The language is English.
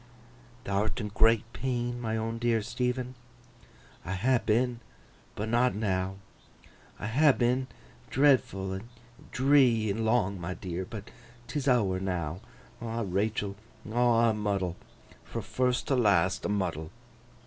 'Thou'rt in great pain, my own dear Stephen?' 'I ha' been, but not now. I ha' been—dreadful, and dree, and long, my dear—but 'tis ower now. Ah, Rachael, aw a muddle! Fro' first to last, a muddle!